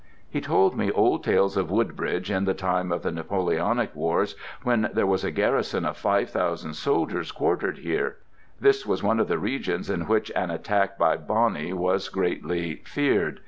He told me old tales of Woodbridge in the time of the Napoleonic wars when there was a garrison of 5,000 soldiers quartered here—this was one of the regions in which an attack by Boney was greatly feared.